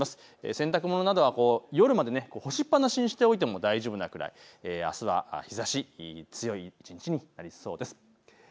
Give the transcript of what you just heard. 洗濯物などは夜まで干しっぱなしにしておいても大丈夫なくらい、あすは日ざし強い一日になりそうです。